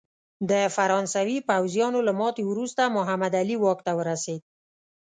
د فرانسوي پوځیانو له ماتې وروسته محمد علي واک ته ورسېد.